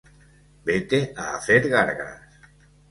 Vete a hacer gárgaras